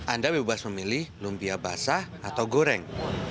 anda bebas memilih lumpia basah atau goreng